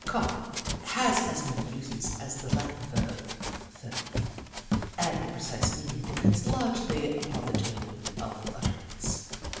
Caw — Has as many uses as the Latin verb fero, and the precise meaning depends largely upon the tone of utterance.